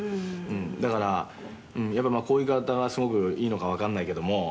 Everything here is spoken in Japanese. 「だからやっぱりこういう言い方がすごくいいのかわかんないけども」